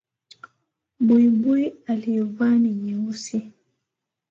Buibui aliyovaa ni nyeusi